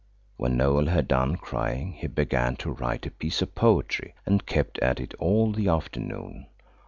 When Noël had done crying he began to write a piece of poetry and kept at it all the afternoon.